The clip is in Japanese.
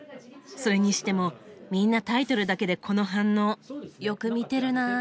それにしてもみんなタイトルだけでこの反応。よく見てるなぁ。